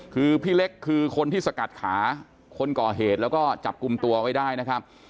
คือพี่เล็กคือคนที่สกัดขาคนก่อเหตุแล้วก็จับกลุ่มตัวไว้ได้นะครับ